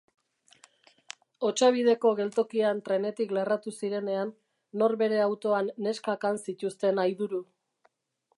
Otsabideko geltokian trenetik lerratu zirenean, nor bere autoan neskak han zituzten aiduru.